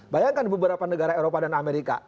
bayangkan beberapa negara eropa dan amerika